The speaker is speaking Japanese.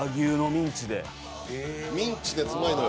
ミンチのやつうまいのよ。